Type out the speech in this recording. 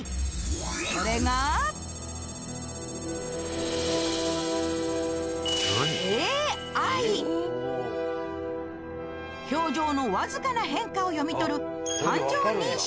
それが表情のわずかな変化を読み取る感情認識